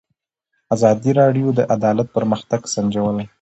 ازادي راډیو د عدالت پرمختګ سنجولی.